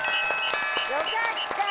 よかった！